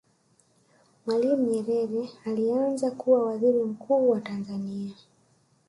mwalimu nyerere alianza kuwa Waziri mkuu wa tanzania